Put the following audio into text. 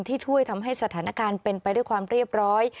ช่วยทำให้สถานการณ์เป็นไปด้วยความเรียบร้อย